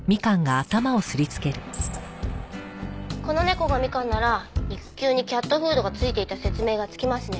この猫がみかんなら肉球にキャットフードが付いていた説明がつきますね。